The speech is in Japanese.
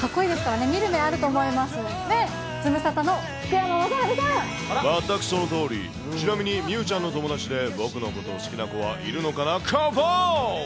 ねえ、全くそのとおり、ちなみにみうちゃんの友達で僕のことを好きな子はいるのかな？